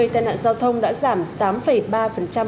tàn nạn giao thông đã giảm tám ba